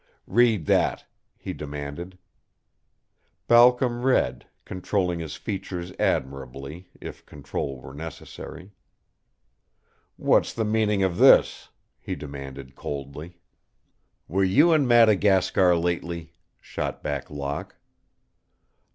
"Read that," he demanded. Balcom read, controlling his features admirably, if control were necessary. "What's the meaning of this?" he demanded, coldly. "Were you in Madagascar lately?" shot back Locke.